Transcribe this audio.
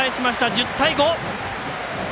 １０対５！